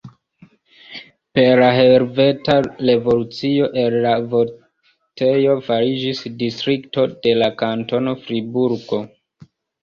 Per la Helveta Revolucio el la voktejo fariĝis distrikto de la kantono Friburgo.